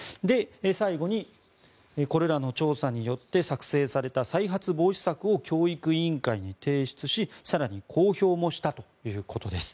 最後にこれらの調査によって作成された再発防止策を教育委員会に提出し更に公表もしたということです。